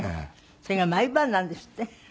それが毎晩なんですって？